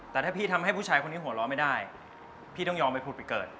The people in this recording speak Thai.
แต่ถ้าพี่ทำให้ผู้ชายคนนี้หัวเราะไม่ได้พี่ต้องยอมไปผุดไปเกิด